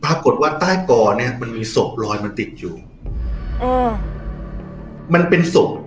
ปรากฏว่าใต้กอเนี้ยมันมีศพลอยมันติดอยู่อืมมันเป็นศพ